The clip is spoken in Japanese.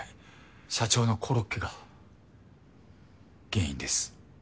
社長のコロッケが原因です。